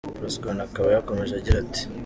Pacson akaba yakomeje agira ati: “.